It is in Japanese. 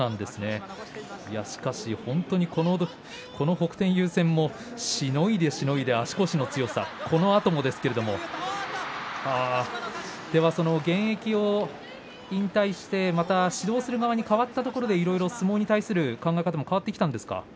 しかし本当にこの北天佑戦もしのいでしのいで足腰の強さ、このあとも現役を引退して指導する側に変わったときに相撲に対する考え方も変わってきたんですか。